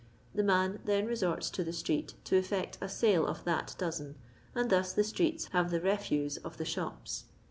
The man then resorts to the street to effect a sale of that dosen, and thus the streets have the refuse of the shops.